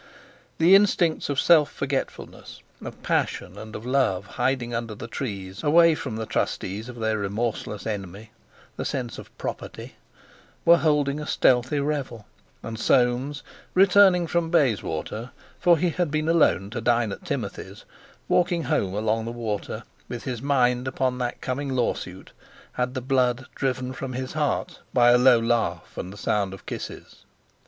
The instincts of self forgetfulness, of passion, and of love, hiding under the trees, away from the trustees of their remorseless enemy, the "sense of property," were holding a stealthy revel, and Soames, returning from Bayswater—for he had been alone to dine at Timothy's walking home along the water, with his mind upon that coming lawsuit, had the blood driven from his heart by a low laugh and the sound of kisses.